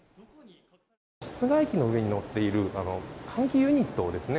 室外機の上に載っている換気ユニットですね。